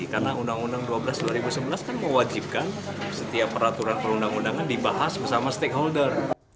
karena undang undang dua belas dua ribu sembilan belas kan mewajibkan setiap peraturan perundang undangan dibahas bersama stakeholder